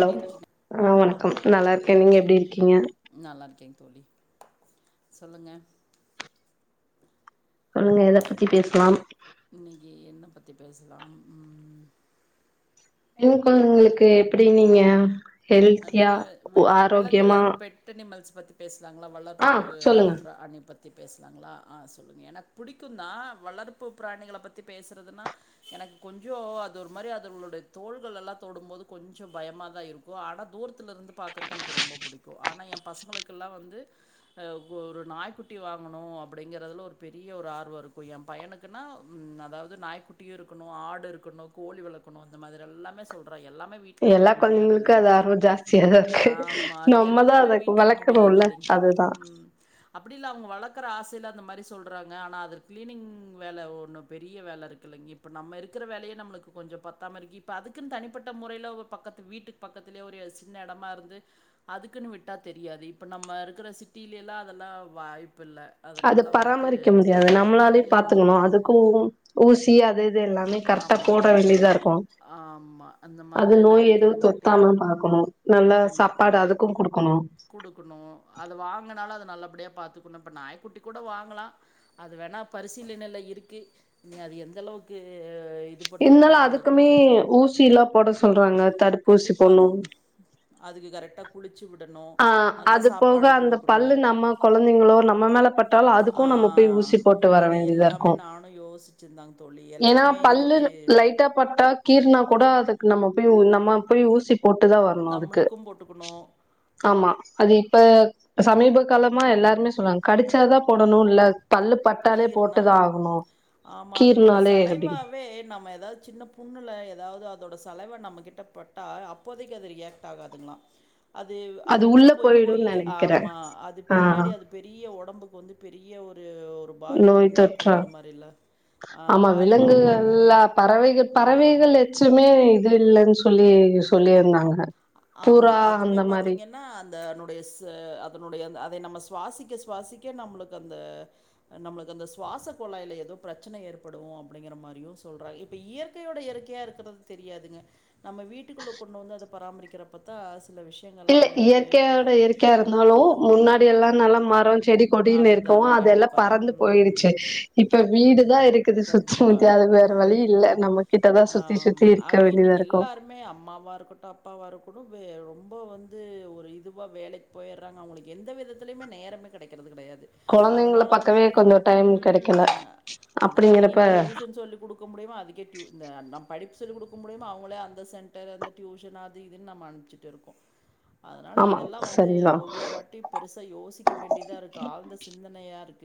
Low இருக்கீங்க ஆ வண கம் நல்லாருக்கேன் நீங்க எப்டி இருக்கீங்க நல்லாருக்கே தோலி சொல்லுங்க சொல்லுங்க எத பத்தி பேசலா இன்னிக்கி என்ன பத்தி பேசலா ம் பெண் கொழந்தைங்ளுக்கு எப்டி நீங்க ஹெல்த்தியா நீங்க வெ ஆரோக்கியமா வெலங்குகள் பெட் அனிமல்ஸ் பத் பேஸ் நாங்களா வளர்ப்பு ஆ ப்ராணி பத் தி பேஸ்லாங்ளா ஆ சொல்லுங்க எனக் புடிக்கு தா வளர்ப்பு ப்ராணிகள பத்தி பேசறதுனா எனக் கொஞ்சோ அது ஒரு மாரி அதுகள்ளோட தோள்களெல்லா தொடும்போது கொஞ்சோ பயமா தா இருக்கு ஆனா தூரத்துலருந்து பாக்றக்கு எனக் ரொம்ப புடிக்கு ஆனா ஏ பசங்ளுக்கெல்லா வந்து ஆ [unintelligible] ஒரு நாய்க்குட்டி வாங்கணு அப்டிங்றதுல ஒரு பெரிய ஒரு ஆர்வ இருக்கும் ஏ பையனுக்குன்னா அதாவது நாய்க்குட்டியு இருக்கணு ஆடு இருக்கணு கோழி வளக்கணு இந்த மாதிரி எல்லாமே சொல்றா எல்லாமே வீட்ல எப்டி முடியாது இல்லைங்க [unintelligible] ஜாஸ்தியா தா இருக்கு ஆமா. அது நம்ம தா எல்லாமே அத வீட்ல வளக்கனோல அதுதா அப்டில்ல அவங்க வளக்குற ஆசைல அந்த மாரி சொல்றாங்க ஆனா அதற் கிளீனிங் வேல ஒன்னு பெரிய வேல இருக்கில்லைங் இப்ப நம்ம இருக்குற வேலையே நம்மளுக்கு கொஞ்சோ பத்தாமருக்கு இப்ப அதுக்குன்னு தனிப்பட்ட மொறைலோ பக்கத் வீட்டுக்கு பக்கத் இதிலே ஒரு சின்ன எடமாருந்து அதுக்குன்னு விட்டா தெரியாது இப்ப நம்ம இருக்குற சிட்டிலேலாம் அதெல்லா வாய்ப் அது பராமரிக்க முடியாது நம்மளாலே ம். பாத்துக்கணு அதுக்கு ஊசி அது இ ஆமாங்க ஆமா அந்த அது மாதிரியெல்லா நோய் எதுவு இருக்கறங்காட்டி தொத்தாம பாக்கணு நல்லா சாப்பாடு கண்டிப்பாங்க அதுக்கு குடுக்கணு குடுக்கணு அது வாங்கனாலு அது நல்லப்படியா பாத்துக்கணு இப்ப நாய்குட்டி கூட வாங்கலா அது வேணா பரிசீலனையில இருக்கு நீ அது எந்தளவுக்கு [unintelligible] இருந்தாலு அதுக்குமே ஊசிலா போட சொல்றாங்க தடுப்பூசி போட்ணு கண்டிப்பாங்க அதுக்கு கரெக்ட்டா ஆ அது போக அந்த குடுக்கணு பல்லு நம்ம கொழந்தைங்களோ நம்ம மேல பட்டாலோ ஆ அதுக்கு நம்ம போய் ஊசி போட்டு வர இது வேண்டியதா எல்லாமே இருக்கு நானு யோசிச்சிருந்தேங் தோழி ஏன்னா எல்லாமே பல்லு இருக்கு லைட்டா பட்டா கீர்னா கூட அதுக்கு நம்ம போய் [unintelligible] போய் ஊசி போட்டுதா வரணு அதுக்கு நம்மளுக்கு போட்டுக்கணு ஆமா அது இப்ப சமீப காலமா எல்லாருமே சொல்லறாங்க கடிச்சாதா போடணுன்னு இல்ல பல்லு பட்டாலே போட்டுதா கீர்னாவே ஆகணு ம் ஆமா அதனோட கீர்னாலே அப்டின்னு செலைவாவே நம்ம எதாவது சின்ன புண்ணுல எதாவது அதோட செலைவா நம்ம கிட்டப்பட்டா அப்போதைக்கு அது ரியாக்ட் ஆகாதுங்களா அது அது உள்ள போய் போயி ஆமா அது ஆ பின்னாடி அது பெரிய [unintelligible] ஒடம்புக்கு வந்து பெரிய ஒரு ஒரு பாதிப்பு நோய் தொற்றா உண்டாக்குங்கிற மாரில்ல ஆ ஆமா பாதிப்பு உண்டாக்கும் விலங்குகள்ல பறவைகள் ஆ பறவைகள் எச்சமே இது இல்லைன்னு சொல்லி சொல்லிருந்தாங்க ஆமா அதுமே பாத்தீங்கன்னா அந்தனுடைய சே அதனுடைய அத் அத நம்ம சுவாசிக்க சுவாசிக்க நம்மளுக்கு அந்த நம்மளுக்கு அந்த சுவாச குழாயில எதோ பிரச்சன ஏற்படு அப்டிங்கிற மாரியு சொல்றாங்க இப்ப இயற்கையோட இயற்கையா இருக்கிறது தெரியாதுங்க நம்ம வீட்டுக்குள்ள கொண்டு வந்து அத பராமரிக்கிறப்பத்த அஸ் [unintelligible] இயற்கையோட இயற்கையா இருந்தாலு முன்னாடி எல்லா நல்லா மரஞ்சி செடி கொடின்னு இருக்கோ அதுதாங்க. அதெல்லாம் கண்டிப்பா. பறந்து போயிடுச்சு ம். இப்ப வீடுதான் இருக்குது சுத்தி கண்டிப்பா. முத்தி அதுக்கு வேற வழி இல் நம்ம கிட்டதான் சுத்தி சுத்தி ஆமாங்க. இருக்க அதுவும் வேண்டியதா இன்னைக்கு இருக்கும் எல்லாருமே இப்போ வந்து ஒரு இதுவா வேலைக்கு போயிடுறாங்க அவங்களுக்கு எந்த விதத்துலயுமே நேரமே கிடைக்க கிறது கிடையா கொழந்தைங்கள அதனால பாக்கவே வந்துட்டு கொஞ்சோ டைம் கெடைக்கல. உம்அதுக்கே இங்க அப்படிங்கிறப்ப டியூஷன் சொல்லிகடுக்க முடியுமா அதுக்கே நம் படிப்பு சொல்லி கொடுக்க முடியாம அவங்களே அந்த சென்டர் அந்த டியூஷன் அது இதுன்னு நம்ம அனுப்பிச்சிட்டு இருக்கோம் அதனால ஆமா இதெல்லாம் வந்து சரிதா. ஒவ்வொரு வாட்டையும் பெருசா யோசிக்க வேண்டிய தான் இருக்கு ஆழ்ந்த சிந்தனையா இருக்கு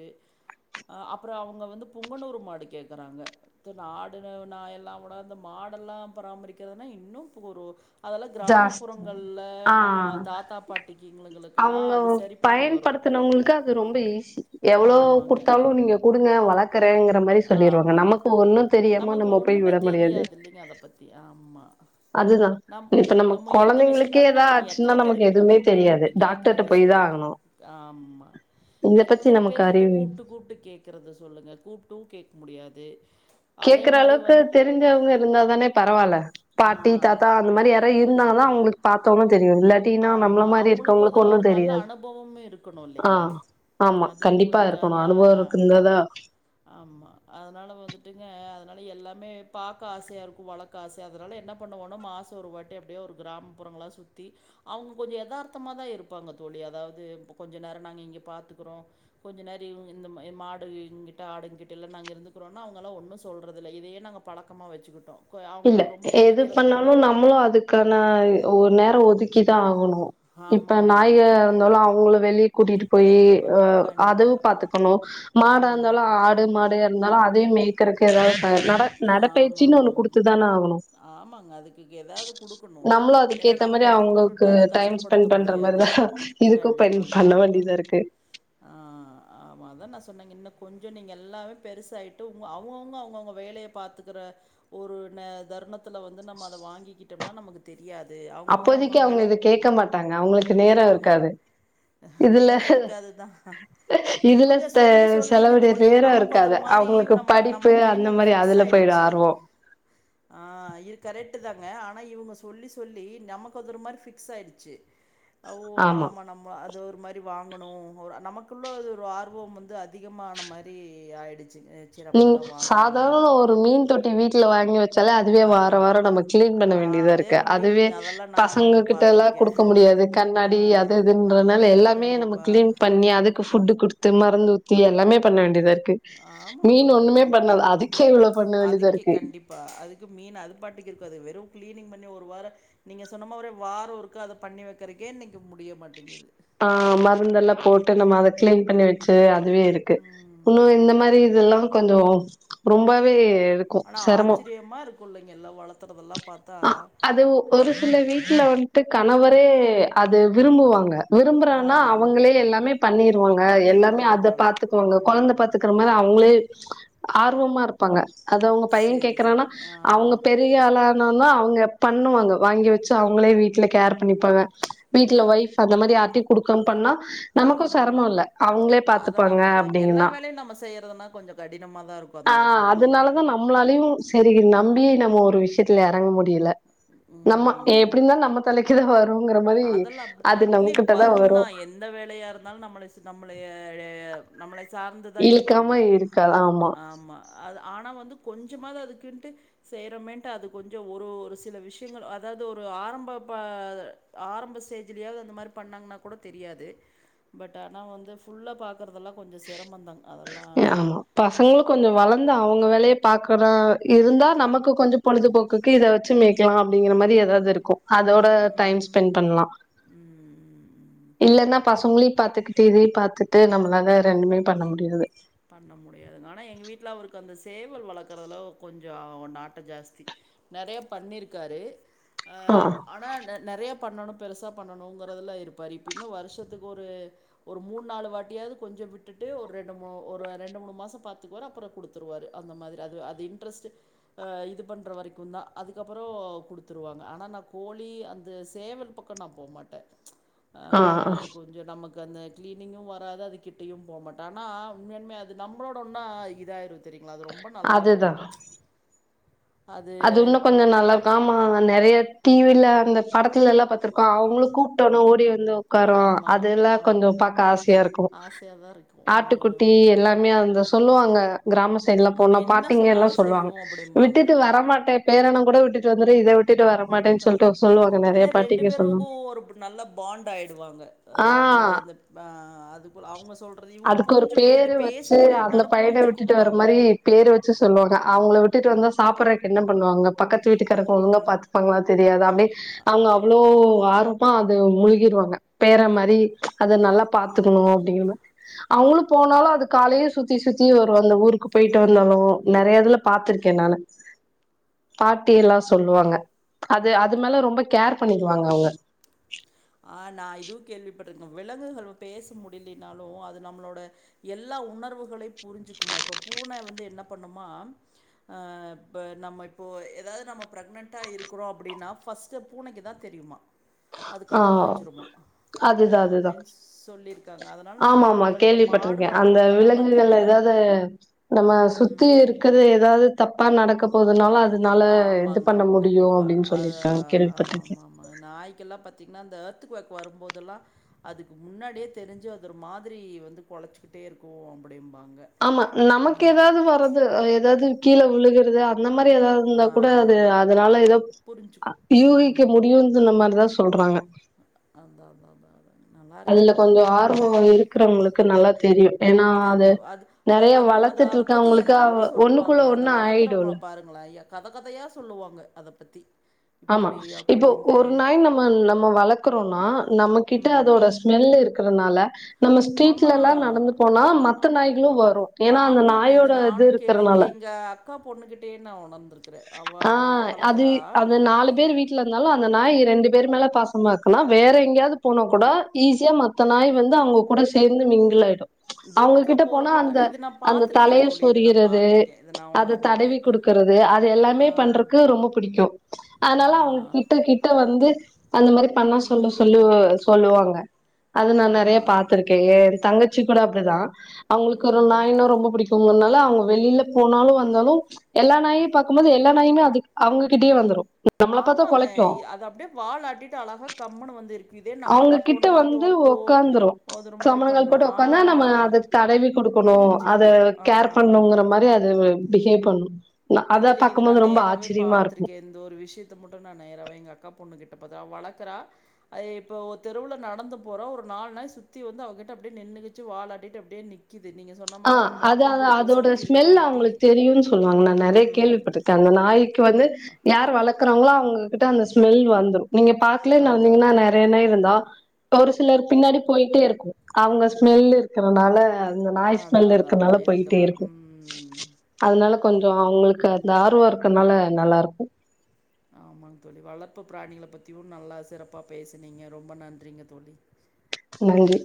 அஹ் அப்புறம் அவங்க வந்து புங்கனூர் மாடு கேக்குறாங்க நாடு நான் எல்லாம் கூட அந்த மாடெல்லாம் பராமரிக்கிறதுன்னா இன்னும் ஒரு அதால் ஜாஸ்தி. கிராமப்புறங்களில் நம்ம ஆ தாத்தா பாட்டிக்குிங்கங்களுக்கெல்லாம் அது சரிப்பட்டு வரும் உங்களுக்கு அது ரொம்ப ஈஸி எவ்வளவு ஆமாங்க. கொடுத்தாலும் நீங்க கொடுங்க வளர்க்கறேங்கற ஆமாங்க நமக்கு நம்ம போய் ஒண்ணுமே விட முடியாது தெரியாது இல்லைங்க அத பத்தி ஆமா அதுதா நம் இப்ப நம்ம எந்த கொழந்தைங்களுக்கே விஷயனாலும் எதா நம்ம ஆச்சுன்னா எத்தனை பேரு நமக்கு கிட்ட எதுவுமே கூப்பிட்டு தெரியாது கூப்பிட்டு டாக்டர்ட்ட கேக்குறது போய் தா சொல்லுங்க ஆகணு ஆமா இத பத்தி எத்தனை நமக்கு பேரு கிட்ட அறிவு கூப்பிட்டு கூப்பிட்டு கேக்குறது சொல்லுங்க கூப்பிட்டு டூ கேக் முடியாது கேக்குற மாதிரி அளவுக்கு வந்து தெரிஞ்சவங்க இருந்தாதானே பரவாயில்ல ஆ பாட்டி தாத்தா அந்த மாதிரி யாரா இருந்தால தான் அவங்களுக்கு கண்டிப்பாக பார்த்தோனும் தெரியும் இல்லாட்டனா நம்மள ஆமாம் மாதிரி அவங்களுக்கும் இருக்கவங்களுக்கு அதில் ஒரு ஒண்ணும் நல்ல தெரியாது அனுபவமும் இருக்கணும் இல்லைங்களா ஆஹ் ஆமா அதுவும் கண்டிப்பா இருக்கணும் இருக்கான்னா அனுபவம் இருக்குங்கதா ஆமா. அதனால வந்துட்டுங்க, அதனால எல்லாமே பார்க்க ஆசையா இருக்கும் வழக்க ஆசை ச அதனால் என்ன பண்ணுவோனால் மாதம் ஒரு வாட்டி அப்படியே ஒரு கிராமப்புறங்களாம் சுற்றி அவங்க கொஞ்சம் தார்த்தமாக தான் இருப்பாங்க தோழி அதாவது இோ கொஞ்சம் நேரம் நாங்கள் இங்கே பார்த்துக்குறோம் கொஞ்சம் நேரம் இந்த மாடுங்கிட்ட ஆடுங்க்கிட்ட எல்லாம் நாங்கள் இருந்துக்கிறோன்னா அவங்களலாம் ஒன்றும் சொல்கிறதில்லை இதையே நாங்கள் பழக்கமாக வச்சுக்கிட்டோம் இல்ல அவங்களுக்கு ரொம்ப எது பிடிக்கிறதுனால பண்ணாலும் நம்மளும் அதுக்கான ஒரு நேரம் ஒதுக்கிதான் ஆகும் [inaudible] இப்ப ஆமாமாங்க. நாயகர் இருந்தாலும் அவங்களுக்கு வெ கூட்டிட்டு போய் கண்டிப்பாங்க. அஹ் கண்டிப்பா. அவும் பாாரத்துக்கணும் மாடா ம். இருந்தாலும் ஆடு மாடு இருந்தாலும் அதே மேய்கறக்கு ஏதாவது நடை ஆமா பயிற்சின்னு ஒண்ணு ஆமாங் கொடுத்து ஆமாங்க அதுக்கு ஏதாவது குடுக்கணும் நம்மளு ஏன்னா அதுக்கேத்த நம்ம மாரி கட்டி போட்டுட்டு அவங்களுக்கு அதை டைம் கஷ்டப்படுத்த ஸ்பெண்ட் பண்ற முடியாது மாரிதா இதுக்கு பெண் கண்டிப்பாங்க பண்ண வேண்டியதா இருக்கு ஆஹ் ஆமாான் நான் சொன்னேங்க இன்ன கொஞ்சம் நீங்கள் எல்லாமே பெருசாயிட்டுங்க அவங்கவுங்க அவங்கவுங்க வேலையை பாார்த்தக்கிற ஒரு தருணத்து வந்து நம்ம அதை வாங்கிக்கிட்டோம்னா நமக்கு தெரிய அப்போதைக்கு அவங்க இதை கேட்க மாட்டாங்க அவங்களுக்கு நேரம் இருக்காது இதுல நேரம் இருக்காதுதான் இதுல இவங்க த சொல்லி சொல்லிங்க செலவுடைய தோழி நேரோ இருக்காது நமக்குதர் மாதிரி அவங்களுக்கு நம்ம படிப்பு நம அந்த மைண்ட்ல அ மாரி பிக்ஸ் அதுல போயிடு ஆயிடுச்சு ஆர்வோ ஆஹ் கரெக் தாங்க ஆனா இவங்க சொல்லி சொல்லி நமக்குதற மாதிரி பிக்ஸ் ஆயிடுச்சு ஓ ஆமா நாம நம்ம அது ஒரு மாதிரி வாங்கணோ ஒரு நமக்குள்ளே அது ஒரு ஆர்வோ வந்து அதிகமான மாரி ஆயிடுச் நீங்க சாதாரண ஒரு மீன் தொட்டி வீட்டுல வாங்கி வெச் ச்சல அதுவே ஆய வாரோ வாரோ நம்ம கிளீன் பண்ண வேண்டியதா அதே இருக்கு அதுவே முடியலைங்க அதெல்லா நானு பசங்க கிட்டலா பாத்திருக்கே குடுக்க முடியாது ஆ கண்ணாடி அது இதுன்றனால எல்லாமே நம்ம கண்டிப்பா கிளீன் பண்ணி அதுக்கு ஃபுட்டு குடுத்து மறந்து ஊத்தி எல்லாமே பண்ண வேண்டியதார்க் கே ஆமாங்க வேண்டியதா அதுக்கே இருக்கு கண்டிப்பா அதுக்கு மீன் அது பாட்டுக்கு இருக்கோ அது வெறும் கிளீனிங் பண்ணி ஒரு வாரோ நீங்க சொன்ன மாரி வாரோ ஒருக்கா அத பண்ணி வெக்குறதுக்கே முடிய மாட்டேங்குது ஆ மருந்தெல்லா போட்டு நம்ம அத கிளீன் பண்ணி வெச்சு அ அதுவே இருக்கு இன்னு ம் இந்த மேரி இதெல்லா கொஞ்சோ ரொம்பவே இருக்கோ செரமோ புள்ளைங்கெல்லா வளத் அ அது ஒரு சில வீட்ல வந்த்ட்டு கணவர் ஹே அது விரும்புவாங்க ஆ விரும்புறானா அவங்களே எல்லாமே பண்ணிருவாங்க எல்லாமே அத பண்ணிடுறதுனால பாத்துக்குவாங்க கொழந்த ம் பாத்துக்குற மாரி அவுங்களே ஆர்வமா இர்க் ப்பாங்க அது அவுங்க பைய சேரி கேக்குறனா சேரிங்க ஆ அவுங்க பெரிய ற்லனாலோ அவுங்க பண்ணுவாங்க வாங்கி வெச்சு அவுங்களே வீட்ல கேர் பண்ணிப்பாங்க வீட்ல ஒய்ஃப் அந்த மாரி யார்டயு குடுக்க பண்ணா நமக்கோ ம் செரமோ இல்ல அவுங்களே அதெல்லா பாத்துப்பாங்க அப்படிதாங்க எல்லா அப்படீங்ன்னா வேலையு நம்ம செய்யறதுன்னா கொஞ்சோ கடினமா தா இருக்கு ஆ அந்த சூழ்நிலையில அதனாலதா நம்மளாலயு செரி நம்பி நம்ம ஒரு வி விஷயத்துல எறங்க முடியுல நம்ம ஏப் ம் எப்டீந்தாலோ நம்ம தலைக்கு தா வரோ அதெல்லா அப்டி இல்ல வரும் வரு தா எந்த வேலையா இருந்தாலும் நம்மள நம்மளய நம்ளய நம்மள சு சார்ந்துதா இருப்பாங்க இழுக்காம இருக்காது ஆமா அதா ஆனா வந்து கொஞ்சோமா தா அதுக்குன்ட்டு செய்கிறோமேன்ட்டு அது கொஞ்சோ ஒரு ஒரு சில விஷயங்கள் அதாவது ஒரு ஆரம்ப பா ஆரம்ப ஸ்டேஜ்லேயாவது அந்த மாதிரி பண்ணாங்கன்னா கூட தெரியாது பட் ஆனால் வந்து ஃபுல்லா பா பாக்குறதெல்லா கொஞ்சோ செரமம் தாங் அதெல்லா வந்து அவுங்க வேலைய பாக்குறா இருந்தா நமக்கு கொஞ்சோ பொழுதுபோக்குக்கு இத வெச்சு மேய்க்கலா அப்டீங்கிற மாதிரி ஏதாவது இருக்கோ அதோட டைம் ம் ஸ்பெண்ட் பண்லா ம் ம் ம் இல்லன்னா பசங்களயு பாத்துகுட்டு டீ வி பாத்துட்டு நம்மளால ரெண்டுமே பண்ண முடியாது பண்ண முடியாதுங்க ஆனா எங்க வீட்டுல அவருக்கு அந்த சேவல் வளர்க்கறதுல கொஞ்சோ நாட்டோ ஜாஸ்தி நறையா பண்ணிருக்காரு ஆ ஆனா நிறைய பண்ணணு பெருசா பண்ணணுங்கறதுல இருப்பாரு இப்பைமே வருஷத்துக்கு ஒரு ஒரு மூணு நாலு வாட்டியாது கொஞ்சொ விட்டுட்டு ஒரு ரெண்டு மு ஒரு ரெண்டு மூணு மாசொ பாத்துக்குவாரு அப்பறொ குடுத்துருவாரு அந்த மாதிரி அது அது இன்ட்ரஸ்ட்டு ஆ இது பண்ற வரைக்குந்தா அதுக்கப்பறோ குடுத்துருவாங்க ஆனா நா கோழி அந்த சேவல் பக்கொ நா போ மாட்ட ஆ அது கொஞ்சொ நமக் க அந்த கிளீனிங்கு வராது அது கிட்டயு போ மாட்ட ஆனா உண்மையால்மே அது நம்பளோட ஒன்னா இதாயிரு தெரியுங்களா அது ரொம்ப நல்லா இருக்கு அதுதா அது உன்னு கொஞ்சொ நல்லாக்காமா நறைய டிவில அந்த படத்துலல்லா பாத்ருக்கோ அவுங்களு கூப்ட்டொன்னே ஓடி வந் து ஒக்காருவா ஆமா அது எல்லா ஆ கொஞ்சொ பாக்க ஆசையா இருக்கு ஆசையாக தான் இருக்கும் ஆ. ஆட்டுக்குட்டி எல்லாமே அந்த சொல்லுவாங்க கிராம சைட்லா நம்ம போனா என்ன பாட்டிங்கெல்லா சொன்னாலும் சொல்லுவாங்க செய்வோம் விட்டு அப்படிம்பாங்க வரமாட்டே பேரனுங் கூட விட்டு வந்துரு இத விட் ஆனா ரெண்டு பாட்டிங்க பேருக்கு சொல்லுவாங்க ஒரு நல்ல பாண்ட் ஆயிடுவாங்க அதாவ்து ஆ அந்த அ அது போல அவுங்க சொல்றத இவுங்க அதுக்கு ஒரு புரிஞ்சிக்கு இது பேரு வச்சு பேச அந்த முடிய்லினாலு பையன விட்டுட்டு வர புரிஞ்சிக்கும்பாங்க ட்டுட்டு வந்தா சாப்பட்றக்கு என்ன பண்ணுவாங்க பக்கத்து வீட்டுக்காரங்க ஒழுங்கா பாத்துப்பாங்ளா தெரியாது அப்டி அவுங்க அவ்ளோ ஆ அப்பா அது முழுகிருவாங்க பேர மாரி அத நல்லா பாத்துக்கணு அப்டிங்கிறமா அவுங்களு போனாலு அது காலையே சுத்தி சுத்தி வரு அந்த ஊருக்கு போயிட்டு வந்தாலு நெறைய இதுல பாத்ருக்கே நானு பாட்டி எல்லா சொல்லுவாங்க அது அது மேல ரொம்ப கேர் பண்ணிருவாங்க அவுங்க ஆ நா இதுவு கேள்விப்பட் பட்ருக்க விலங்குகள் பேச முடிய்லினாலு அது நம்மளோட எல்லா உணர்வுகளை புரிஞ்சிக்குமா இப்போ பூன வந்து என்ன பண்ணுமா ஆ இப்ப நம்ம இப்போ ஏதாவ்து நம்ம ப்ரெக்னென்ட்டா இருக்குறோ அப்டின்னா ஃபர்ஸ்ட்டு பூனக்கிதா தெரியுமா அது ஆ கண்டுபிடிச்சிருமா அதுதா அதுதா அப்படின்னு சொல்லியிருக்காங்க அதனால் நம்ம ஆமா ஆமா உணர்வுகள் இப்போ மாடு கேள்விப்பட்ருக்கே அந்த வளர்த்துறவங்கெல்லாம் விலங்குகள்ல பார்த்தீங்கன்னா ஏதாவ்து நம்ம ம், சுத்தி இருக்குற ஏதாவ்து தப் பா நடக்க போதுனாலு அ ஆமாங்க கண்டிப்பா அதா சொல்லியிருக்காங்க ஆமா கேள்விப்பட்டிருக்கே ஆமா ஆமா நாய்க்கெல்லா பாத் தீங்னா அந்த எர்த்து க்வாக் வரும்போதெல்லா அதுக்கு முன்னாடியே தெரிஞ்சி அதொரு மாதிரி வந்து கொலச்சிக்கிட்டே இருக்கு அப்டிம் ஆமா நமக்கு ஏதாவ்து வர்றது ஏதாவ்து கீழ உழுகுறது அந்த த மாரி ஏதாவ்து இருந்தா ஆ கூட அது அதனால ஏதோ அ புரிஞ்சுக்கும். யூகிக்க முடியு [unintelligible] சொல்றாங்க அதா அதா அதா அதா நல்லாருக்கு க்குறவங்களுக்கு நல்லா தெரியு தெரியு அது அது நெறைய அத அத வளர்த்துட்டு அதப் பத்தி இருக்கவங்களுக்கு எல்லாமே சொல்லுவாங்க ஒண்ணுக்குள்ள அத ஒண்ணு ஆயிடுல வளக்கறவங்கள பாருங்கள ய கத கதையா சொல்லுவாங்க அதப் பத்தி ஆமா இப்படி இப்போ அப்படின்ட்டு. ஒரு நாய் நம்ம நம்ம வளக்குறோன்னா நம்மக் கிட்ட அதோட ஸ்மெல்லு இருக் இருக்கறனால நம்ம ஸ்ட்ரீட்ல ஆமா. எல்லா நடந்து போனா மத்த நாய்களும் வரு ஏன்னா அந்த நாயோட இது இருக்கறனால க்கா பொண்ணுகிட்டேயே நான் உணர்ந்துருக்கு ஆஹ் அது அந்த நாலு பேர் வீட்டுல இருந்தாலும் அந்த நாய ரெண்டு பேரும் மேல பாசமா இருக்குனா வேற எங்கேயாவது போனா கூட ஈஸியா மத்த நாய் வந்து அவங்க கூட சேர்ந்து மிங்குலாயிடும் அவங்க ரோட்ல கிட்ட போனா போறப்ப க அந்த இது நான் அந்த தல பார்த்துருக்கேங்க தோழி. இது நான் சொரியிகிறது பார்த்துருக்கேன். இத நான் அதை தடவி உணர்ந்திருக்கேன். கொடுக்கறிறது அது எல்லாமே ஆ, பண்றக்கு ரொம்ப பிடிக்கும் ஆ, அதனால அவங்க கிட்ட கிட்ட வந்து அந்த மாதிரி பண்ணா சொல்ல சொல்லு ம், சொல்லுவாங்க அது ஆ, நான் நிறைய பாத்துிருக்கேன் தங்கச்சி கூட அப்படிதான் அவங்களுக்கு ஒரு ம். நாயனா ரொம்ப பிடிக்கும்ன்னா அவங்க வெளியில போனாலும் வந்தாலும் எல்லா நாயும் பார்க்கும்போது எல்லா நயுமே அது அவங்ககிட்டயே வந்துரும் ஆமாங்க அதை அப்படியே வாால் ஆட்டிட்டு அழகா கம்மனுு வந்து இருக்கு அவங்ககிட்ட வந்து உக்காந்துரும் அது ஒரு மாரி சமணங்காள் பண்ணும். போட்டு ஆ, உக்காந்தா நம்ம அத தடவி கொடுக்கணும் அத புரிஞ்சுக்குது. கேர் ஆ. பண்ணணுங்கிற மாதிரி அத பிஹேவ் பண்ணும் இல்ல இல்லலைங்க இது நான் நேராவவே பா்த்திருக்கேன் இந்தந்த ஒரு விஷயத்த மட்டும் நான் நேராாவே எங்க அக்கா பொண்ணுகிட்டேன் அது அவ வளக்குறா இப்ப தெருல நடந்து போற ஒரு நாலு நாய் சுத்தி வந்து அவகிட்ட அப்புடியே நின்னுகிச்சி வாழாட்டிடு அப்டியே நிக்குது ஆஹ் அத அத அதோட ஸ்மெல் இருக்கிறங்காட்டி அவங்களுக்கு தெரியும்ன்னு சொல்லுவாங்கள நிறைய ம். கேள்விப்பட்டிருக்கேன் அந்த நாய்க்க வந்து யார் வளர்க்குறவங்களோ அவங்ககிட்ட அந்த ஸ்மெல் வந்துடும் நீங்க பாக்கலன்ன அதான், வந்தீங்கன்னா அதான். நிறையன்னா இருந்தோம் ஒரு சிலர் பின்னாடி போயிட்டே இருக்கும் அவங்க ஸ்மெல் இருக்கறனால உங்க நாய் அதான், அதான், இருக்கனால அதான். போயிட்டே இருக்கலாம். இருக்கும் ம். அதனால அதனால கொஞ்சம் அவங்களுக்கு அந்த ஆர்வம் இருக்கனால நல்லா இருக்கும் ஆமாங்க தோழி வளர்ப்பு பிராணிகளை பத்தியும் நல்லா சிறப்பா பேசுனீங்க ரொம்ப நன்றிங்க தோழி நன்றி